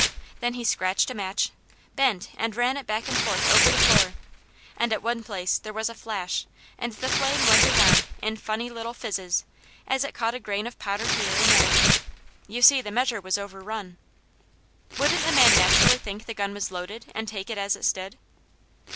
Then he scratched a match, bent, and ran it back and forth over the floor, and at one place there was a flash, and the flame went around in funny little fizzes as it caught a grain of powder here and there. "You see the measure was overrun." "Wouldn't the man naturally think the gun was loaded, and take it as it stood?"